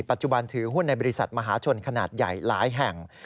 ปัจจุบันถือหุ้นในบริษัทมหาชนขนาดใหญ่หลายแห่ง